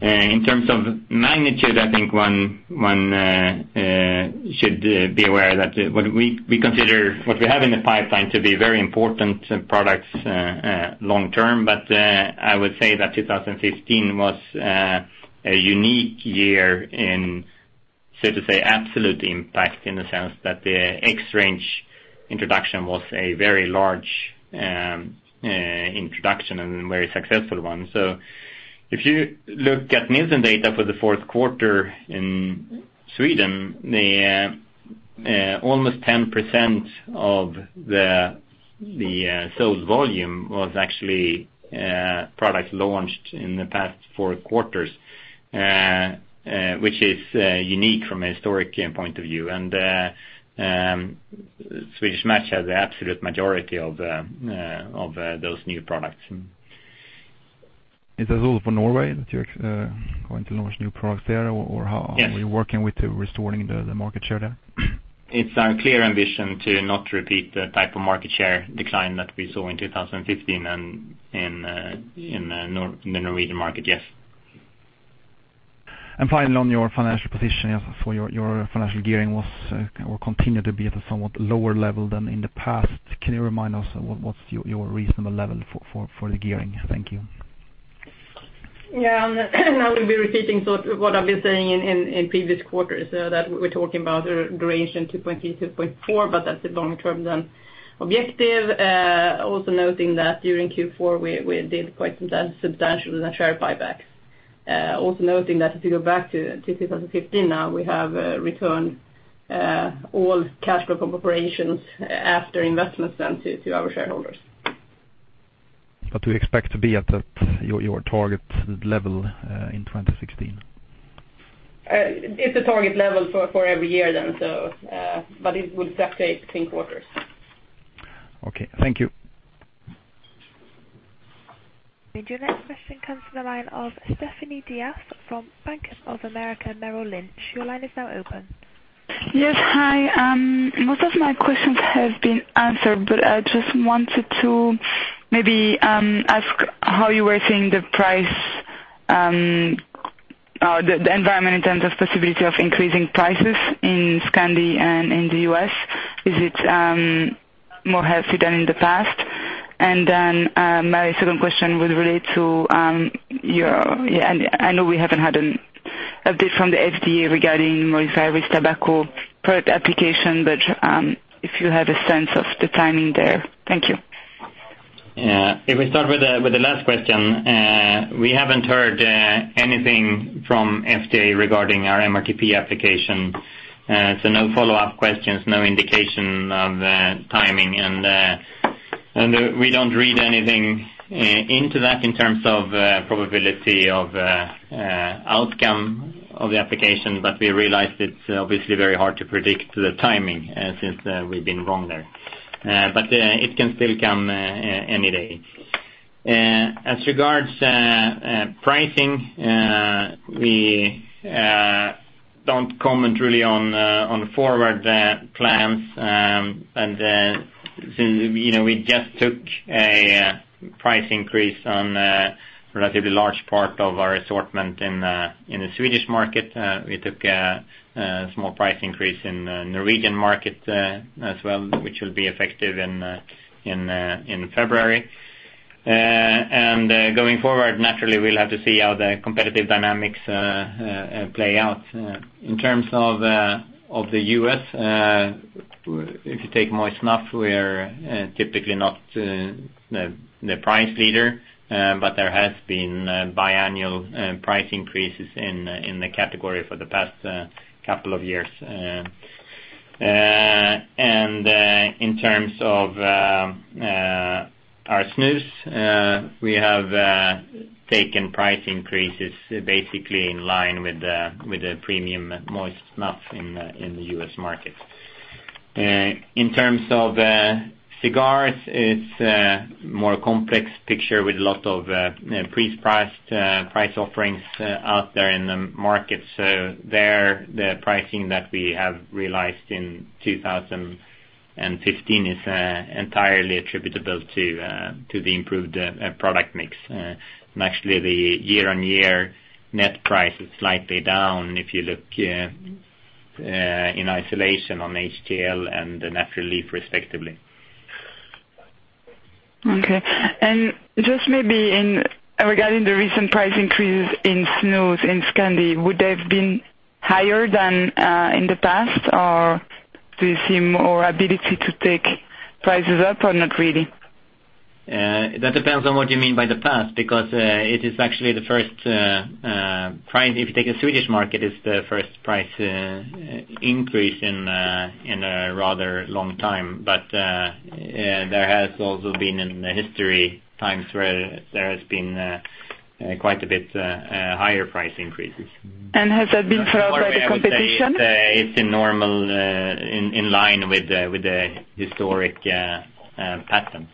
C: In terms of magnitude, I think one should be aware that what we have in the pipeline to be very important products long term. I would say that 2015 was a unique year in, so to say, absolute impact in the sense that the XRANGE introduction was a very large introduction and a very successful one. If you look at Nielsen data for the fourth quarter in Sweden, almost 10% of the sales volume was actually products launched in the past four quarters, which is unique from a historic point of view. Swedish Match has the absolute majority of those new products.
H: Is that also for Norway, that you're going to launch new products there? Or how
C: Yes
H: Are we working with restoring the market share there?
C: It's our clear ambition to not repeat the type of market share decline that we saw in 2015 in the Norwegian market. Yes.
H: What is your financial position? Your financial gearing will continue to be at a somewhat lower level than in the past. Can you remind us what's your reasonable level for the gearing? Thank you.
D: I will be repeating sort of what I've been saying in previous quarters, that we're talking about a duration 2.3, 2.4, that's the long-term objective. Also noting that during Q4, we did quite substantial with the share buybacks. Also noting that if you go back to 2015, now we have returned all cash flow from operations after investments then to our shareholders.
H: We expect to be at your target level in 2016.
D: It's a target level for every year then, it will fluctuate between quarters.
H: Okay. Thank you.
A: Your next question comes from the line of Stephanie Diaz from Bank of America Merrill Lynch. Your line is now open.
I: Yes. Hi. Most of my questions have been answered, but I just wanted to maybe ask how you were seeing the price, the environment in terms of possibility of increasing prices in Scandi and in the U.S. Is it more healthy than in the past? Then, my second question would relate to I know we haven't had an update from the FDA regarding Modified Risk Tobacco Product application, but if you have a sense of the timing there. Thank you.
C: Yeah. If we start with the last question. We haven't heard anything from FDA regarding our MRTP application. No follow-up questions, no indication of timing. We don't read anything into that in terms of probability of outcome of the application. We realize it's obviously very hard to predict the timing, since we've been wrong there. It can still come any day. As regards pricing, we don't comment really on forward plans. Since we just took a price increase on a relatively large part of our assortment in the Swedish market. We took a small price increase in Norwegian market as well, which will be effective in February. Going forward, naturally, we'll have to see how the competitive dynamics play out. In terms of the U.S., if you take moist snuff, we're typically not the price leader. There has been biannual price increases in the category for the past couple of years. In terms of our snus, we have taken price increases basically in line with the premium moist snuff in the U.S. market. In terms of cigars, it is a more complex picture with a lot of pre-priced price offerings out there in the market. There, the pricing that we have realized in 2015 is entirely attributable to the improved product mix. Actually, the year-over-year net price is slightly down if you look in isolation on HTL and Natural Leaf respectively.
I: Okay. Just maybe in regarding the recent price increases in snus in Scandi, would they have been higher than in the past, or do you see more ability to take prices up or not really?
C: That depends on what you mean by the past, because it is actually the first price, if you take the Swedish market, it's the first price increase in a rather long time. There has also been in the history times where there has been quite a bit higher price increases.
I: Has that been driven by the competition?
C: It's in line with the historic patterns.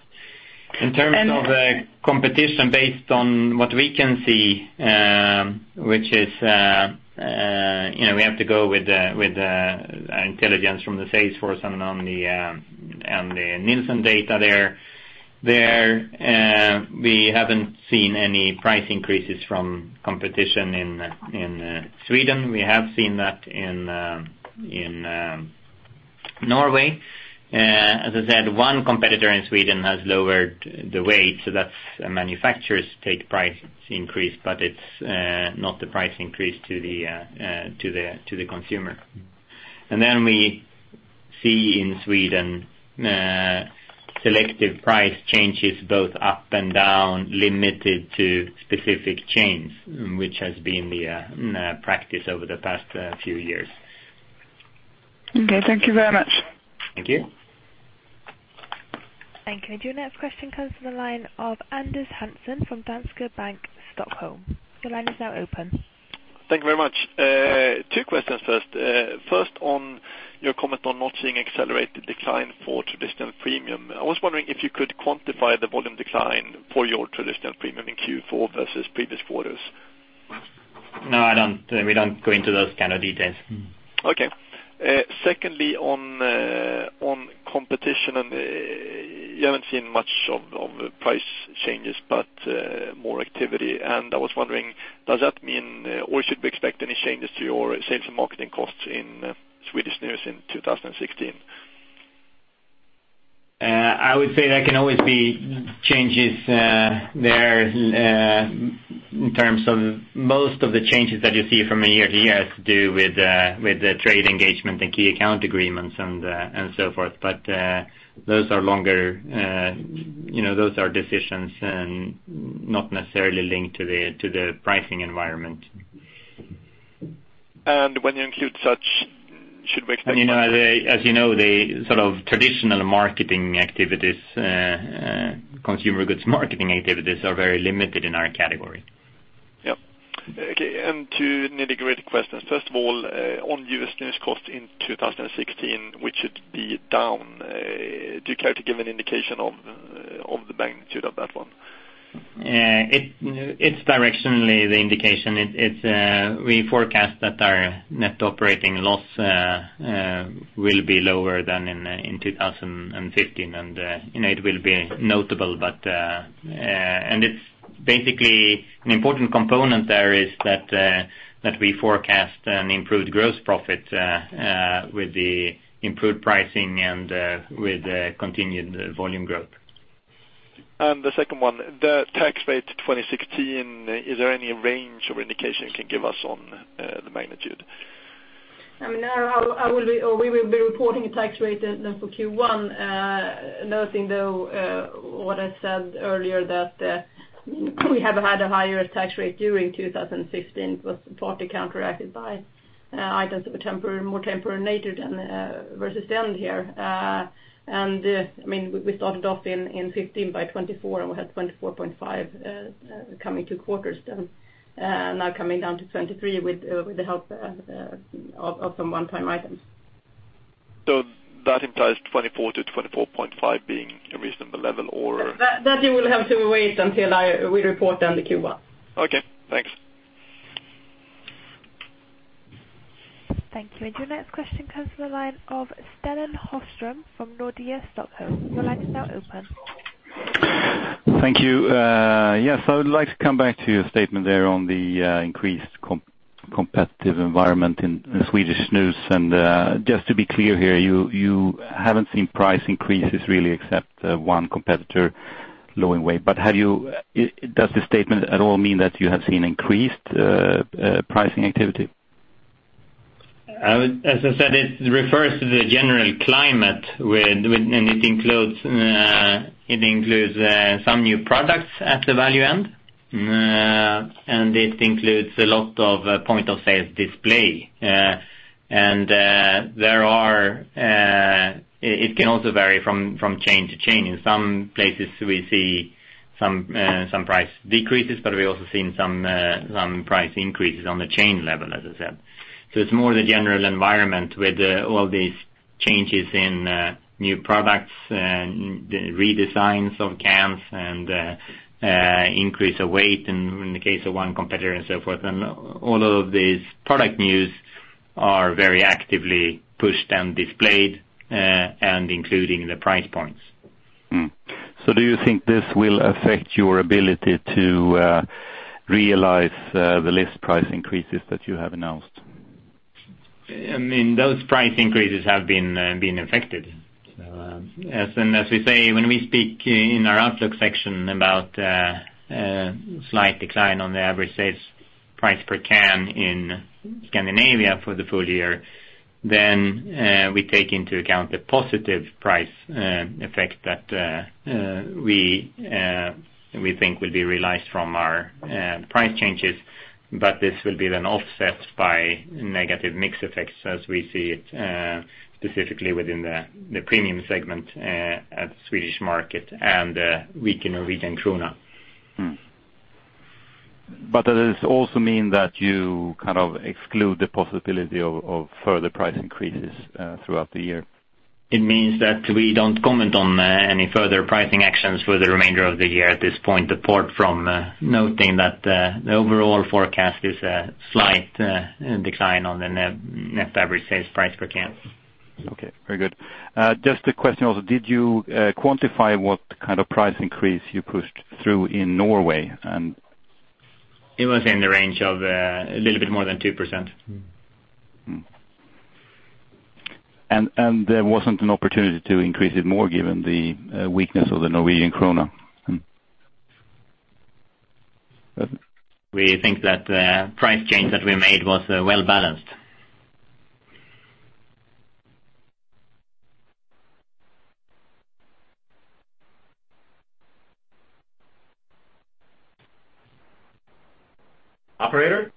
C: In terms of competition based on what we can see, which is we have to go with the intelligence from the sales force and on the Nielsen data there. We haven't seen any price increases from competition in Sweden. We have seen that in Norway. As I said, one competitor in Sweden has lowered the weight, so that's manufacturers take price increase, but it's not the price increase to the consumer. Then we see in Sweden, selective price changes both up and down, limited to specific chains, which has been the practice over the past few years.
I: Okay. Thank you very much.
C: Thank you.
A: Thank you. Your next question comes from the line of Anders Hansen from Danske Bank, Stockholm. Your line is now open.
J: Thank you very much. Two questions first. First, on your comment on not seeing accelerated decline for traditional premium, I was wondering if you could quantify the volume decline for your traditional premium in Q4 versus previous quarters.
C: No, we don't go into those kind of details.
J: Okay. Secondly, on competition, you haven't seen much of price changes, but more activity. I was wondering, should we expect any changes to your sales and marketing costs in Swedish snus in 2016?
C: I would say there can always be changes there. Most of the changes that you see from year to year has to do with the trade engagement and key account agreements and so forth. Those are decisions not necessarily linked to the pricing environment.
J: When you include such, should we expect?
C: As you know, the traditional marketing activities, consumer goods marketing activities, are very limited in our category.
J: Yep. Okay, two nitty-gritty questions. First of all, on U.S. Snus cost in 2016, which should be down, do you care to give an indication of the magnitude of that one?
C: It's directionally the indication. We forecast that our net operating loss will be lower than in 2015, and it will be notable. An important component there is that we forecast an improved gross profit with the improved pricing and with the continued volume growth.
J: The second one, the tax rate 2016. Is there any range or indication you can give us on the magnitude?
D: We will be reporting a tax rate for Q1. Another thing, though, what I said earlier, that we have had a higher tax rate during 2016. It was partly counteracted by items that were more temporary in nature versus the end here. We started off in 2015 by 24, and we had 24.5 coming two quarters down. Now coming down to 23 with the help of some one-time items.
J: That implies 24 to 24.5 being a reasonable level, or?
D: That you will have to wait until we report on the Q1.
J: Okay, thanks.
A: Thank you. Your next question comes from the line of Stellan Hofström from Nordea Stockholm. Your line is now open.
K: Thank you. Yes, I would like to come back to your statement there on the increased competitive environment in Swedish snus. Just to be clear here, you haven't seen price increases really except one competitor lowering weight. Does the statement at all mean that you have seen increased pricing activity?
C: As I said, it refers to the general climate, it includes some new products at the value end. It includes a lot of point-of-sales display. It can also vary from chain to chain. In some places, we see some price decreases, we also seen some price increases on the chain level, as I said. It's more the general environment with all these changes in new products and redesigns of cans and increase of weight in the case of one competitor and so forth. All of these product news are very actively pushed and displayed and including the price points.
K: do you think this will affect your ability to realize the list price increases that you have announced?
C: Those price increases have been affected. as we say, when we speak in our outlook section about a slight decline on the average sales price per can in Scandinavia for the full year, we take into account the positive price effect that we think will be realized from our price changes. this will be then offset by negative mix effects as we see it, specifically within the premium segment at Swedish Match and weak Norwegian krone.
K: does this also mean that you exclude the possibility of further price increases throughout the year?
C: It means that we don't comment on any further pricing actions for the remainder of the year at this point, apart from noting that the overall forecast is a slight decline on the net average sales price per can.
K: Okay. Very good. Just a question also, did you quantify what kind of price increase you pushed through in Norway and-
C: It was in the range of a little bit more than 2%.
K: There wasn't an opportunity to increase it more given the weakness of the Norwegian krone?
C: We think that the price change that we made was well-balanced.
J: Operator?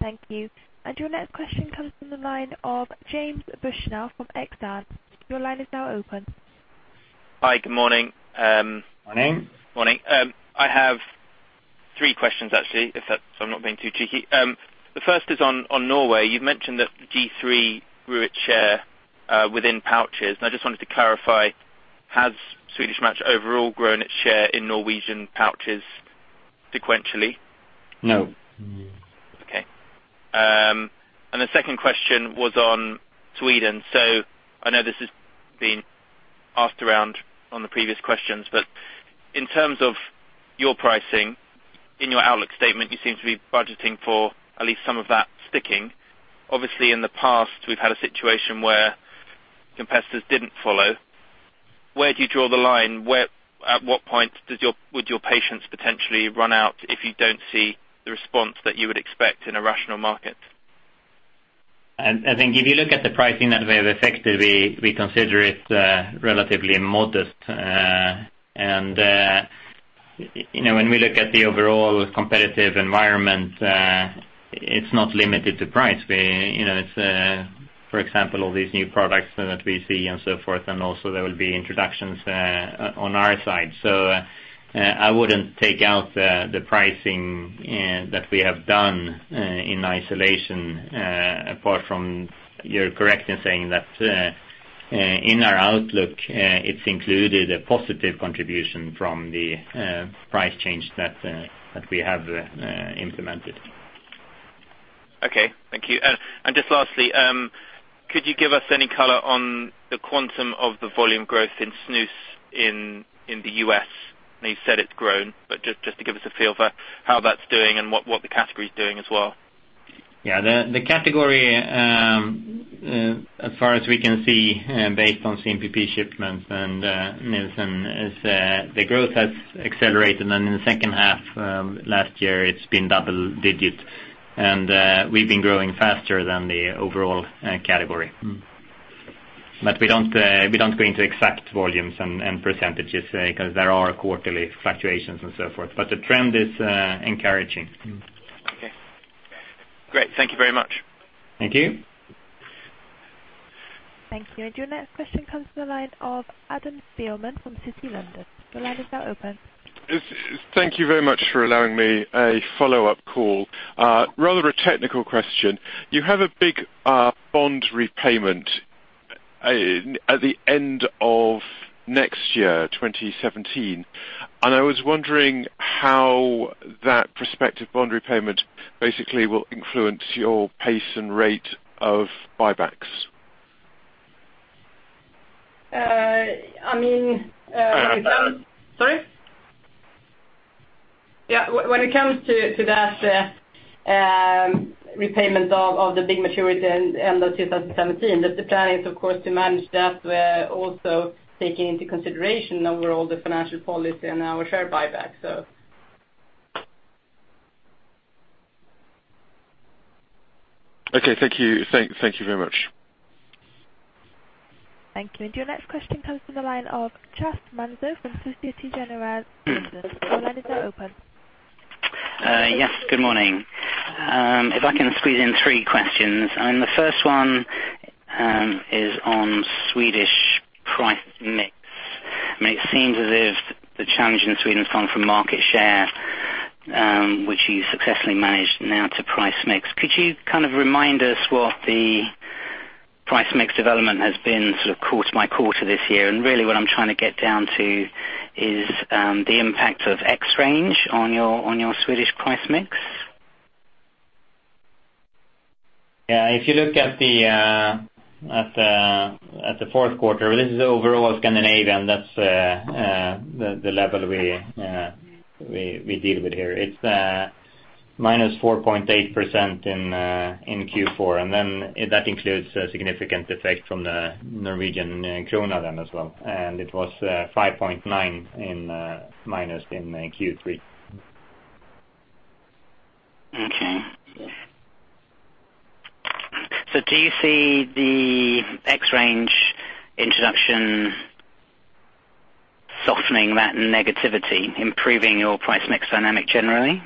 A: Thank you. Your next question comes from the line of James Bushnell from Exane. Your line is now open.
L: Hi, good morning.
C: Morning.
L: Morning. I have three questions, actually, if that's all right, I'm not being too cheeky. The first is on Norway. You've mentioned that G.3 grew its share within pouches, and I just wanted to clarify, has Swedish Match overall grown its share in Norwegian pouches sequentially?
C: No.
L: Okay. The second question was on Sweden. I know this has been asked around on the previous questions, but in terms of your pricing, in your outlook statement, you seem to be budgeting for at least some of that sticking. Obviously, in the past, we've had a situation where competitors didn't follow. Where do you draw the line? At what point would your patience potentially run out if you don't see the response that you would expect in a rational market?
C: I think if you look at the pricing that we have effected, we consider it relatively modest. When we look at the overall competitive environment, it's not limited to price. For example, all these new products that we see and so forth, also there will be introductions on our side. I wouldn't take out the pricing that we have done in isolation, apart from, you're correct in saying that in our outlook, it's included a positive contribution from the price change that we have implemented.
L: Okay, thank you. Just lastly, could you give us any color on the quantum of the volume growth in snus in the U.S.? You've said it's grown, but just to give us a feel for how that's doing and what the category is doing as well.
C: The category, as far as we can see, based on MSTP shipments and Nielsen, is the growth has accelerated. In the second half last year, it's been double-digits, and we've been growing faster than the overall category. We don't go into exact volumes and percentages, because there are quarterly fluctuations and so forth. The trend is encouraging.
L: Okay. Great. Thank you very much.
C: Thank you.
A: Thank you. Your next question comes from the line of Adam Spielman from Citi London. The line is now open.
E: Thank you very much for allowing me a follow-up call. Rather a technical question. You have a big bond repayment at the end of next year, 2017, and I was wondering how that prospective bond repayment basically will influence your pace and rate of buybacks.
D: I mean.
E: Sorry?
D: Yeah. When it comes to that repayment of the big maturity end of 2017, the plan is, of course, to manage that. We're also taking into consideration overall the financial policy and our share buyback.
E: Okay. Thank you. Thank you very much.
A: Thank you. Your next question comes from the line of Charles Manso from Société Générale. Your line is now open.
M: Yes, good morning. If I can squeeze in three questions, the first one is on Swedish price mix. It seems as if the challenge in Sweden has gone from market share, which you successfully managed now to price mix. Could you kind of remind us what the price mix development has been sort of quarter by quarter this year? Really what I'm trying to get down to is the impact of XRANGE on your Swedish price mix.
C: Yeah. If you look at the fourth quarter, this is overall Scandinavia, and that's the level we deal with here. It's minus 4.8% in Q4, that includes a significant effect from the Norwegian krone as well. It was minus 5.9% in Q3.
M: Okay. Do you see the XRANGE introduction softening that negativity, improving your price mix dynamic generally?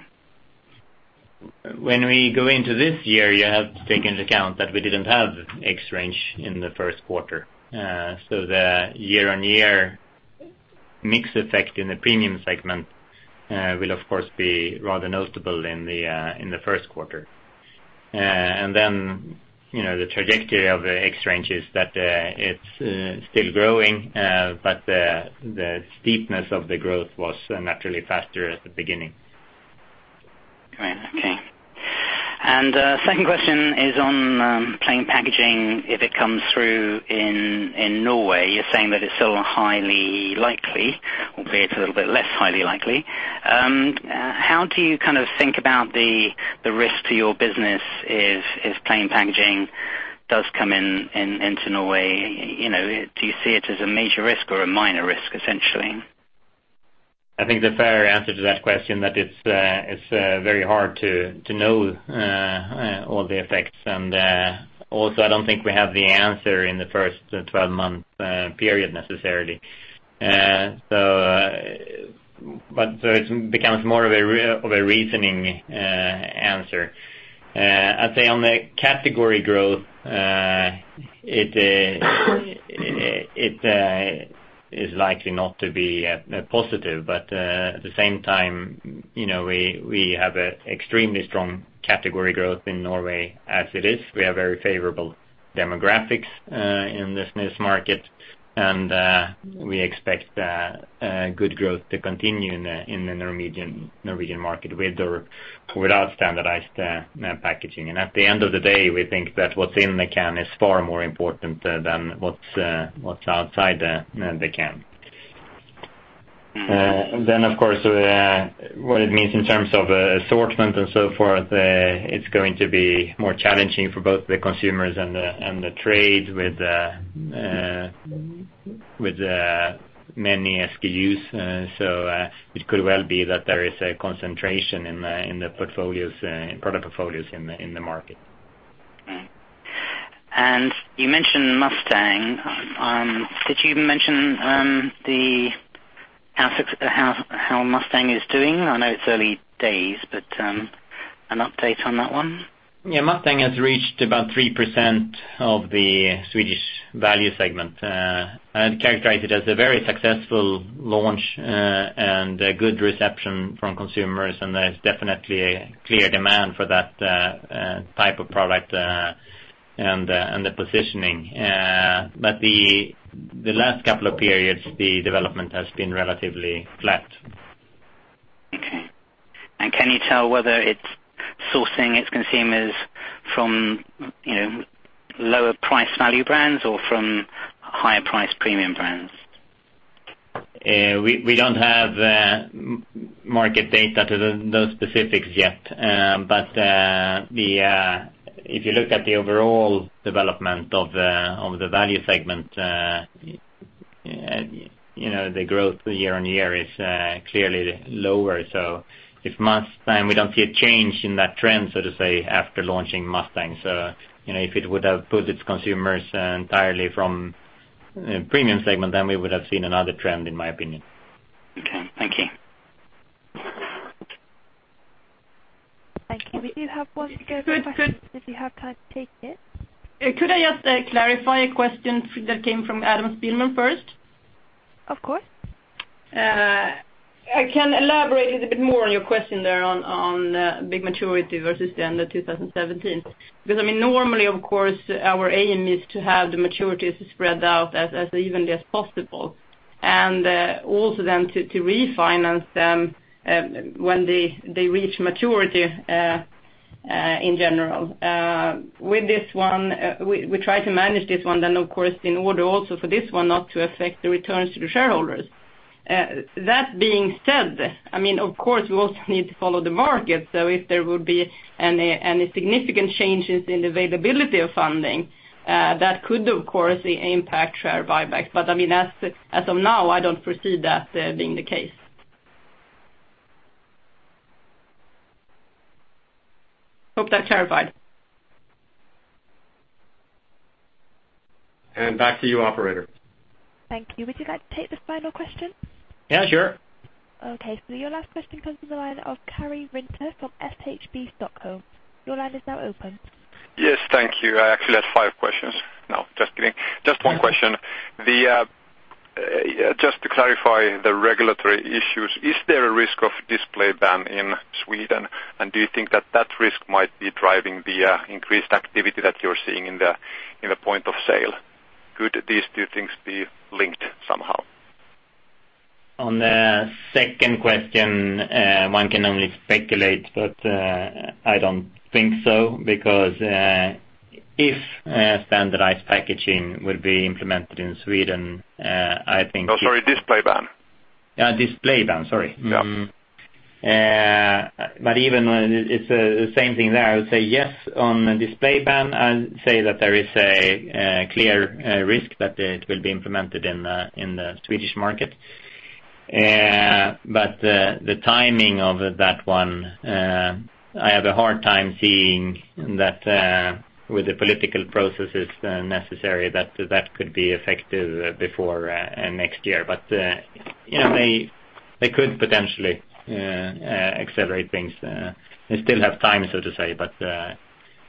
C: When we go into this year, you have to take into account that we didn't have XRANGE in the first quarter. The year-on-year mix effect in the premium segment will, of course, be rather notable in the first quarter. The trajectory of the XRANGE is that it's still growing, but the steepness of the growth was naturally faster at the beginning.
M: Right. Okay. Second question is on plain packaging. If it comes through in Norway, you're saying that it's still highly likely, albeit a little bit less highly likely. How do you kind of think about the risk to your business if plain packaging does come into Norway? Do you see it as a major risk or a minor risk, essentially?
C: I think the fair answer to that question that it's very hard to know all the effects. I don't think we have the answer in the first 12-month period, necessarily. It becomes more of a reasoning answer. I'd say on the category growth, it is likely not to be positive. At the same time, we have extremely strong category growth in Norway as it is. We have very favorable demographics in the snus market, and we expect good growth to continue in the Norwegian market with or without standardized packaging. At the end of the day, we think that what's in the can is far more important than what's outside the can. Of course, what it means in terms of assortment and so forth, it's going to be more challenging for both the consumers and the trade with many SKUs. It could well be that there is a concentration in the product portfolios in the market.
M: You mentioned Mustang. Could you mention how Mustang is doing? I know it's early days, but an update on that one.
C: Yeah. Mustang has reached about 3% of the Swedish value segment. I'd characterize it as a very successful launch, and a good reception from consumers, and there's definitely a clear demand for that type of product, and the positioning. The last couple of periods, the development has been relatively flat.
M: Okay. Can you tell whether it's sourcing its consumers from lower price value brands or from higher price premium brands?
C: We don't have market data to those specifics yet. If you look at the overall development of the value segment, the growth year-over-year is clearly lower. We don't see a change in that trend, so to say, after launching Mustang. If it would have put its consumers entirely from premium segment, then we would have seen another trend, in my opinion.
M: Okay. Thank you.
A: Thank you. We do have one.
D: Could-
A: If you have time to take it.
D: Could I just clarify a question that came from Adam Spielman first?
A: Of course.
D: I can elaborate a little bit more on your question there on bond maturity versus the end of 2017. Normally, of course, our aim is to have the maturities spread out as evenly as possible. Also then to refinance them, when they reach maturity in general. With this one, we try to manage this one, then of course, in order also for this one not to affect the returns to the shareholders. That being said, of course, we also need to follow the market. If there would be any significant changes in the availability of funding, that could, of course, impact share buybacks. As of now, I don't foresee that being the case. Hope that clarified.
C: Back to you, operator.
A: Thank you. Would you like to take the final question?
C: Yeah, sure.
A: Your last question comes from the line of Karri Rinta from Handelsbanken Stockholm. Your line is now open.
N: Yes. Thank you. I actually had five questions. No, just kidding. Just one question. Just to clarify the regulatory issues, is there a risk of display ban in Sweden? Do you think that that risk might be driving the increased activity that you're seeing in the point of sale? Could these two things be linked somehow?
C: On the second question, one can only speculate, but I don't think so, because if a standardized packaging will be implemented in Sweden.
N: No, sorry, display ban.
C: Display ban, sorry.
N: Yeah.
C: Even when it's the same thing there, I would say yes, on the display ban, I'd say that there is a clear risk that it will be implemented in the Swedish market. The timing of that one, I have a hard time seeing that with the political processes necessary that that could be effective before next year. They could potentially accelerate things. They still have time, so to say, but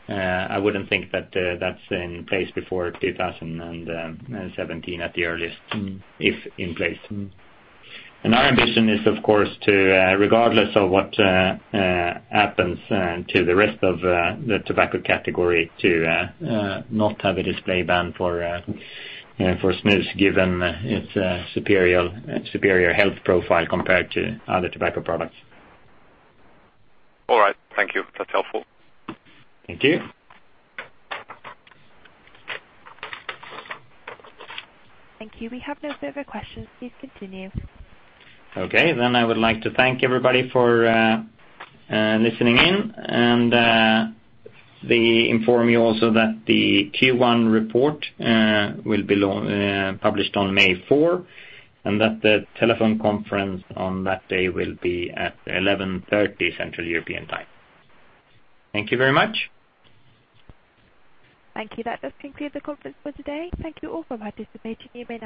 C: I wouldn't think that that's in place before 2017 at the earliest, if in place. Our ambition is of course, regardless of what happens to the rest of the tobacco category, to not have a display ban for snus given its superior health profile compared to other tobacco products.
N: All right. Thank you. That's helpful.
C: Thank you.
A: Thank you. We have no further questions. Please continue.
C: Okay, I would like to thank everybody for listening in, and inform you also that the Q1 report will be published on May 4, and that the telephone conference on that day will be at 11:30 Central European Time. Thank you very much.
A: Thank you. That does conclude the conference for today. Thank you all for participating. You may now disconnect.